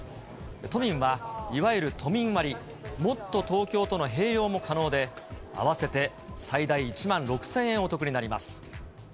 都民はいわゆる都民割、もっとＴｏｋｙｏとの併用も可能で、合わせて最大１万６０００円お得になります。